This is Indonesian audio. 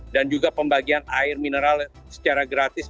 dan juga pembagian air mineral secara gratis